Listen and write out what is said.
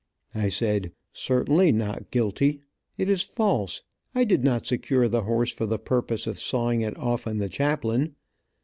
I said, "Certainly, not guilty. It is false. I did not secure the horse for the purpose of sawing it off on the chaplain.